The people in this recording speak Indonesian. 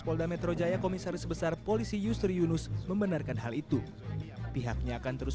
polda metro jaya komisaris besar polisi yusri yunus membenarkan hal itu pihaknya akan terus